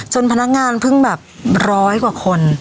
จนพนักงานเพิ่งแบบ๑๐๐กว่าคน